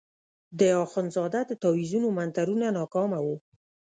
د اخندزاده د تاویزونو منترونه ناکامه وو.